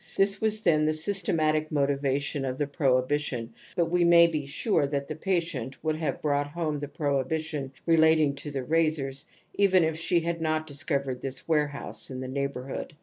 This was then the systematic motivation of the pro hibition, but we may be sure that the patient would have brought home the prohibition rela ting to the razors even if she had not discovered this warehouse in the neighbourhood.